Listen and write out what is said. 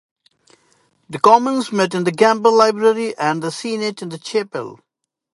The Commons met in the Gamble Library and the Senate in the Chapel.